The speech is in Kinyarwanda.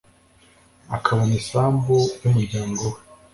akabona isambu y umuryango we